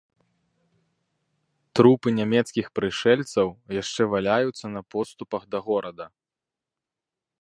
Трупы нямецкіх прышэльцаў яшчэ валяюцца на подступах да горада.